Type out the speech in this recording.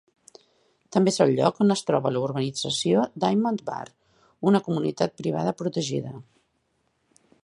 També és el lloc on es troba la urbanització Diamond Bar, una comunitat privada protegida.